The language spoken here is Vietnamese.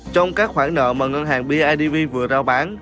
trong các khoản nợ mà ngân hàng bidv vừa rao bán